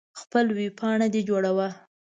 خپله ويي پانګه دي جوړوه.